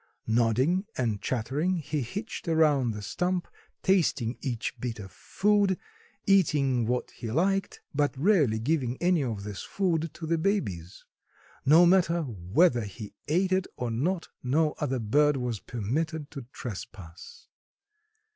Nodding and chattering, he hitched around the stump, tasting each bit of food, eating what he liked, but rarely giving any of this food to the babies. No matter whether he ate it or not, no other bird was permitted to trespass.